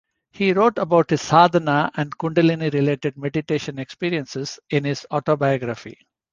He wrote about his sadhana and kundalini-related meditation experiences, in his autobiography.